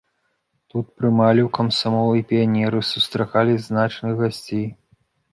Тут прымалі ў камсамол і піянеры, сустракалі значных гасцей.